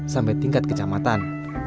sampai tingkat kecamatan